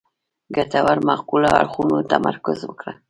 ګټورو معقولو اړخونو تمرکز وکړو.